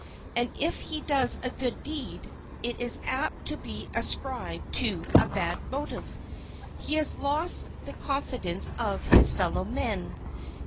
And if he does a good deed it is apt to be ascribed to a bad motive. He has lost the confidence of his fellow men.